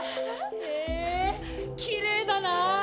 へえきれいだな！